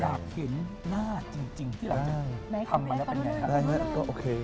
แบบเห็นหน้าจริงที่เราจะทำมันแล้วเป็นไง